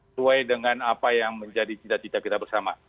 sesuai dengan apa yang menjadi cita cita kita bersama